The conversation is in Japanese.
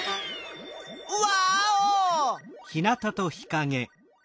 ワーオ！